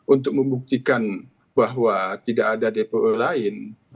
untuk membuktikan bahwa tidak ada dpo lain